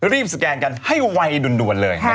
รีบสแกนกันให้ไวดุลเลยนะครับ